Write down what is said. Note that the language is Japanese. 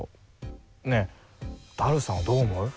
ねえダルさんはどう思う？